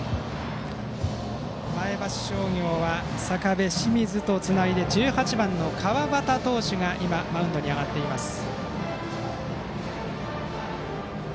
前橋商業は坂部、清水とつないで１８番の川端投手がマウンドに上がりました。